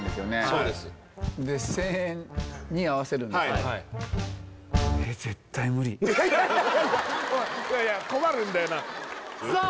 そうですで１０００円に合わせるんだいやいや困るんだよなさあ